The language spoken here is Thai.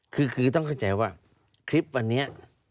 คือต้องเข้าใจว่าคลิปวันนี้